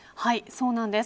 そうなんです。